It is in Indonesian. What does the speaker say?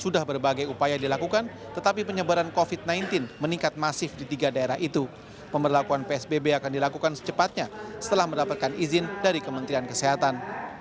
dilakukan secepatnya setelah mendapatkan izin dari kementerian kesehatan